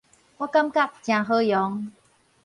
我感覺誠好用